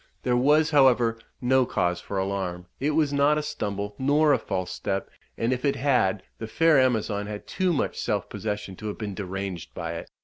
There was, however, no cause for alarm; it was not a stumble, nor a false step; and, if it had, the fair Amazon had too much self possession to have been deranged by it.